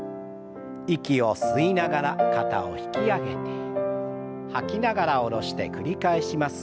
息を吸いながら肩を引き上げて吐きながら下ろして繰り返します。